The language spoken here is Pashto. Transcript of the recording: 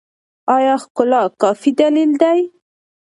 ایا ښکلا کافي دلیل دی؟